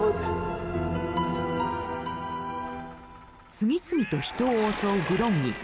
次々と人を襲うグロンギ。